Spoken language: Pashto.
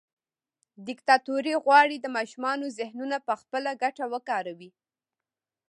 دیکتاتوري غواړي د ماشومانو ذهنونه پخپله ګټه وکاروي.